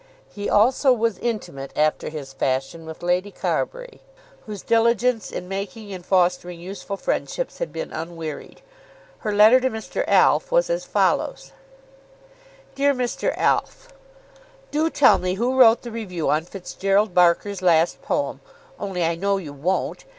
He also was intimate after his fashion with Lady Carbury, whose diligence in making and fostering useful friendships had been unwearied. Her letter to Mr. Alf was as follows; DEAR MR. ALF, Do tell me who wrote the review on Fitzgerald Barker's last poem. Only I know you won't.